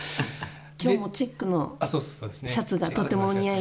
今日もチェックのシャツがとても、お似合いで。